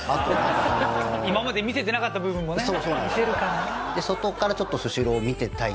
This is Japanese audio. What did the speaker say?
今まで見せてなかった部分もね見せるからね。